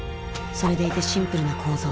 それでいてシンプルな構造。